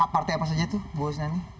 partai apa saja itu ibu wosnani